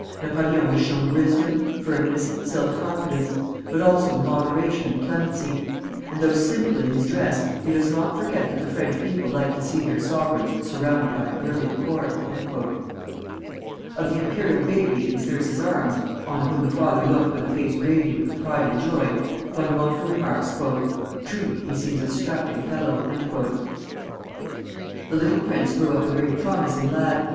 Napoleon has shown wisdom, firmness, self confidence, but also moderation and clemency; and though simple in his dress, he does not forget that the French people like to see their sovereigns surrounded by a brilliant court." Of the imperial baby in his nurse's arms, on whom the father looked with a face radiant with pride and joy, Von Moltke remarks: "Truly, he seems a strapping fellow." The little prince grew up a very promising lad.